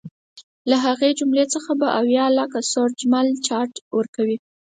له هغې جملې څخه به اویا لکه سورج مل جاټ ورکوي.